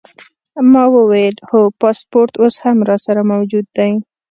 ما وویل: هو، پاسپورټ اوس هم راسره موجود دی.